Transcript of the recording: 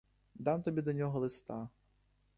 Дам тобі до нього листа.